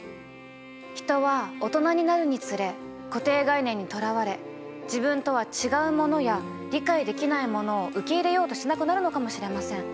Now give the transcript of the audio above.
人は大人になるにつれ固定概念にとらわれ自分とは違うものや理解できないものを受け入れようとしなくなるのかもしれません。